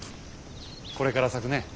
これから咲くね。